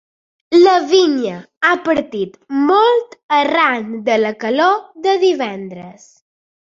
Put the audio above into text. La vinya ha partit molt arran de la calor de divendres.